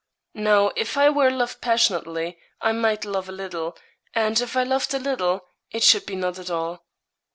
Now if I were loved passionately, I might love a little; and if loved a little it should be not at all.'